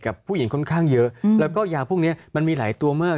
ผู้หญิงค่อนข้างเยอะแล้วก็ยาพวกนี้มันมีหลายตัวมาก